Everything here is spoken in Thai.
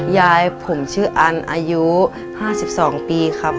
ยายผมชื่ออันอายุ๕๒ปีครับ